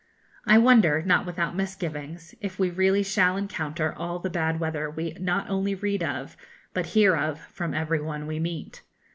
I wonder, not without misgivings, if we really shall encounter all the bad weather we not only read of but hear of from every one we meet.